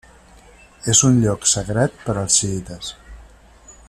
És un lloc sagrat per als xiïtes.